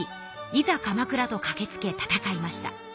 「いざ鎌倉！」とかけつけ戦いました。